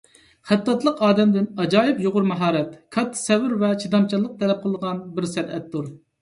خەتتاتلىق ئادەمدىن ئاجايىپ يۇقىرى ماھارەت، كاتتا سەۋر ۋە چىدامچانلىق تەلەپ قىلىدىغان بىر سەنئەتتۇر.